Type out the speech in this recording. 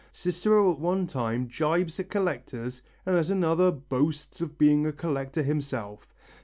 Cicero at one time gibes at collectors and at another boasts of being a collector himself.